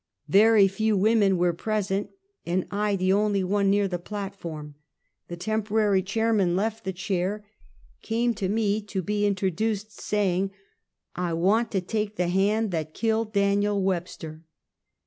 Very few women were present, and I the only one near the platform. The temporary chairman left the chair, came to me to be introduced, saying :" I want to take the hand that killed Daniel Web ster."